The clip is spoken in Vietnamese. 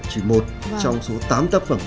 chỉ một trong số tám tác phẩm